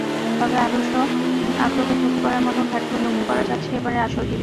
তবে দর্শক–আগ্রহে চোখে পড়ার মতো ঘাটতিও লক্ষ করা যাচ্ছে এবারের আসর ঘিরে।